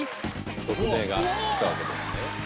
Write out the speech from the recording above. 特命が来たわけですね。